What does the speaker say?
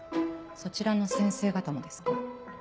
そちらの先生方もですか？